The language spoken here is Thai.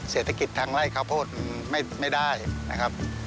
เศรษฐกิจทางไล่ข้าวโพดมันไม่ได้นะครับ